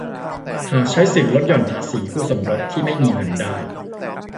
หากใช้สิทธิ์ลดหย่อนภาษีคู่สมรสที่ไม่มีเงินได้